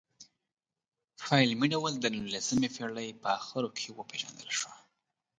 په علمي ډول د نولسمې پېړۍ په اخرو کې وپېژندل شوه.